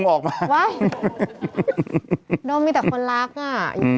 นี่โอ้โหเวชธรภาพดา